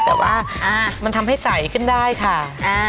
แต่ว่ามันทำให้ใสขึ้นได้ค่ะ